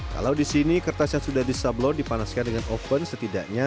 kalau di sini kertas yang sudah disablon dipanaskan dengan oven setidaknya